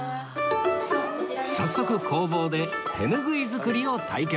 早速工房で手ぬぐい作りを体験